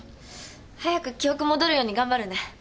早く記憶戻るように頑張るね。